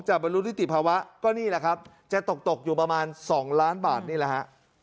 บรรลุนิติภาวะก็นี่แหละครับจะตกตกอยู่ประมาณ๒ล้านบาทนี่แหละฮะ